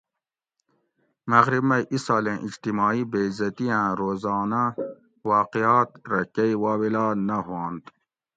مغرب مئ اسالیں اجتماعی بےعزتی آں روزانہ واقعات رہ کئ واویلا نہ ہوانت